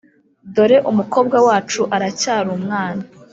dore umukobwa wacu aracyari umwana